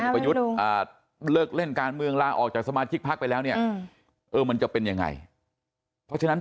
เทรนดร์เล่นการเมืองละออกจากสมาทิศภาครไปแล้วเนี่ยมันจะเป็นยังไงเพราะฉะนั้น